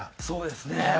そうですね。